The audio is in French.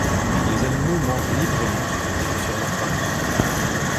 Les animaux mangent librement ce qu'ils trouvent sur leur parcours.